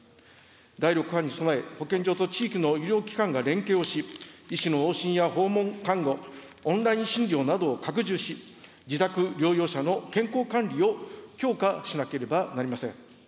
第６波に備え、保健所と地域の医療機関が連携をし、医師の往診や訪問看護、オンライン診療などを拡充し、自宅療養者の健康管理を強化しなければなりません。